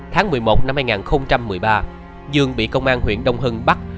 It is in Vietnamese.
tháng một mươi một năm hai nghìn một mươi ba dương bị công an huyện đông hưng bắt